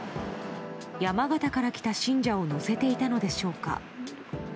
山形から来た信者を乗せていたのでしょうか。